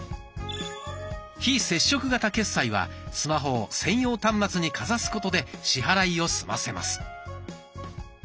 「非接触型決済」はスマホを専用端末にかざすことで支払いを済ませます。